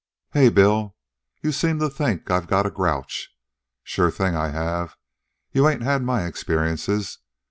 "Hey, Bill, you seem to think I've got a grouch. Sure thing. I have. You ain't had my experiences.